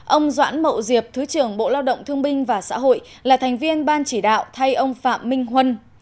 ông doãn mậu diệp thứ trưởng bộ lao động thương binh và xã hội là thành viên ban chỉ đạo thay ông phạm minh huân